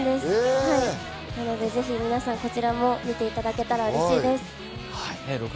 なので、ぜひこちらも見ていただけたらうれしいです。